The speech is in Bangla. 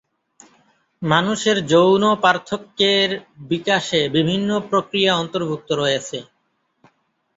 মানুষের যৌন পার্থক্যের বিকাশে বিভিন্ন প্রক্রিয়া অন্তর্ভুক্ত রয়েছে।